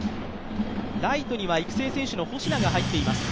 ライトには育成選手の保科が入っています。